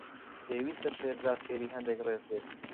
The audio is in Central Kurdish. پێویستە شێرزاد فێری هەندێک ڕێز بێت.